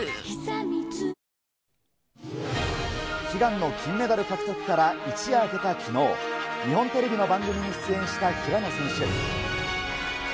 悲願の金メダル獲得から一夜明けたきのう、日本テレビの番組に出演した平野選手。